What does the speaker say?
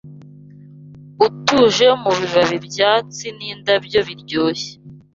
utuje Mubibabi byatsi n'indabyo biryoshye